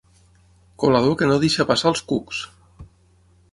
Colador que no deixa passar els cucs.